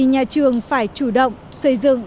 nhà trường phải chủ động xây dựng